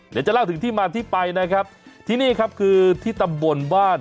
เดี๋ยวจะเล่าถึงที่มาที่ไปนะครับที่นี่ครับคือที่ตำบลบ้าน